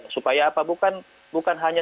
supaya apa bukan hanya